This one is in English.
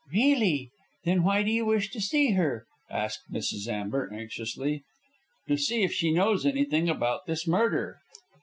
"Really! Then why do you wish to see her?" asked Mrs. Amber, anxiously. "To see if she knows anything about this murder."